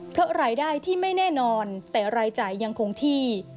เพราะรายได้ที่ไม่แน่นอนแต่รายจ่ายยังคงที่